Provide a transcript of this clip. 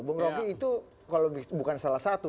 bung roky itu kalau bukan salah satu